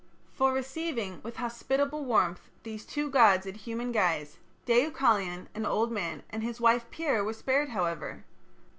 For receiving with hospitable warmth these two gods in human guise, Deucalion, an old man, and his wife Pyrrha were spared, however.